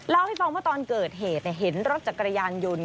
เล่าให้ฟังว่าตอนเกิดเหตุเห็นรถจักรยานยนต์